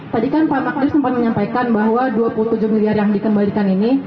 tadi kan pak makarim sempat menyampaikan bahwa dua puluh tujuh miliar yang dikembalikan ini